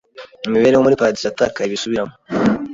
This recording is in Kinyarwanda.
imibereho muri paradizo yatakaye bisubiramo